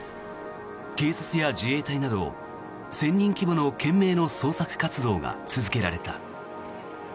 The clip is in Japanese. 警察や自衛隊など１０００人規模の懸命の捜索活動が続けられた。